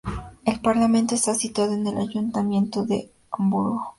El parlamento está situado en el ayuntamiento de Hamburgo.